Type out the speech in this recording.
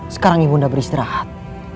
sekarang ibunda beristirahat